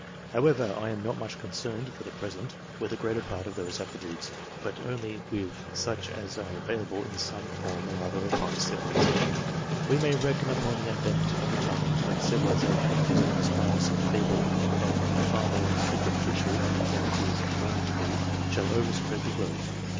However, I am not much concerned, for the present, with the greater part of those aptitudes, but only with such as are available in some form or other of high civilization. We may reckon upon the advent of a time when civiliza tion, which is now sparse and feeble and far more superficial than it is vaunted to be, shall overspread the globe.